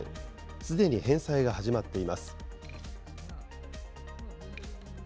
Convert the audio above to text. すでに返済が始まっています。